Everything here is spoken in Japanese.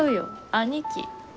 兄貴。